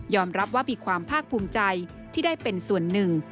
รับว่ามีความภาคภูมิใจที่ได้เป็นส่วนหนึ่ง